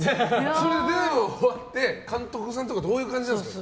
それで終わって監督さんとかどういう感じなんですか？